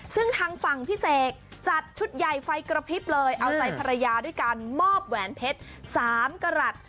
ซึ่งทางฝั่งพี่เสกจัดชุดใหญ่ไฟกระพริบเลยเอาใจภรรยาด้วยการมอบแหวนเพชร๓กรัฐ